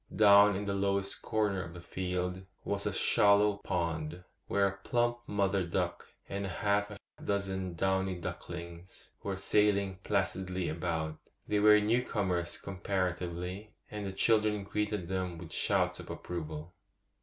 Down in the lowest corner of the field was a shallow pond, where a plump mother duck and half a dozen downy ducklings were sailing placidly about. They were new comers comparatively, and the children greeted them with shouts of approval.